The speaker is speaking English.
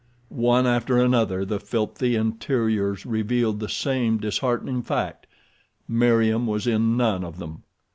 One after another the filthy interiors revealed the same disheartening fact—Meriem was in none of them.